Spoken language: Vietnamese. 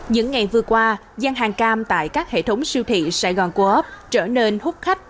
những ngày vừa qua gian hàng cam tại các hệ thống siêu thị sài gòn co op trở nên hút khách